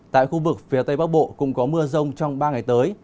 tại khu vực phía tây bắc bộ cũng có mưa rông trong ba ngày tới